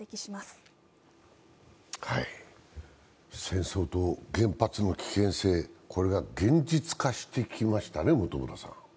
戦争と原発の危険性が現実化してきましたね。